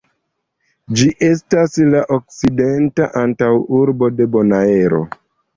Ĝi estas la okcidenta antaŭurbo de Bonaero.